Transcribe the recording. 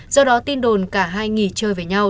do đó tin đồn cả hai nghỉ chơi với nhau